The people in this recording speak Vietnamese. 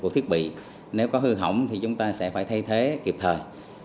của thiết bị nếu có hư hỏng thì chúng ta sẽ phải thay thế kịp thời